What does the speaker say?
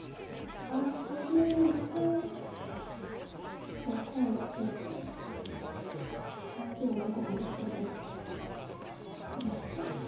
遊びましょうって声を掛けると相手をどこかに連れてって殺して。